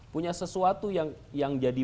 punya sesuatu yang jadi